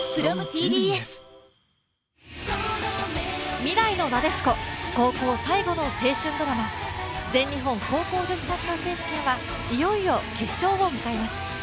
未来のなでしこ、高校最後の青春ドラマ、全日本高校女子サッカー選手権はいよいよ決勝を迎えます。